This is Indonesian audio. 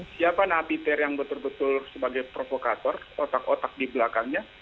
siapa napiter yang betul betul sebagai provokator otak otak di belakangnya